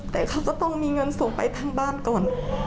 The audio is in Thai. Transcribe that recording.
แต่เขาก็ต้องมีเงินส่งไปทั้งบ้านก่อน